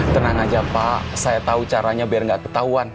tenang aja pak saya tahu caranya biar nggak ketahuan